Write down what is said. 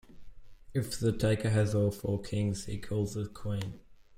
If the taker has all four kings, he calls a queen.